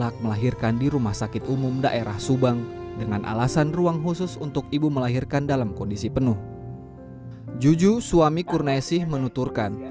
kurna esih menuturkan